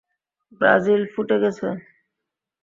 Brazil ফুটে গেছে।